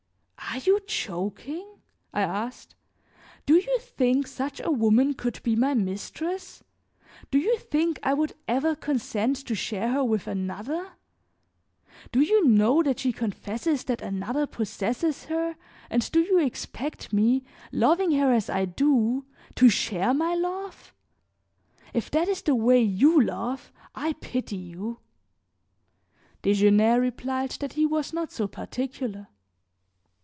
"Are you joking?" I asked. "Do you think such a woman could be my mistress? Do you think I would ever consent to share her with another? Do you know that she confesses that another possesses her and do you expect me, loving her as I do, to share my love? If that is the way you love, I pity you." Desgenais replied that he was not so particular.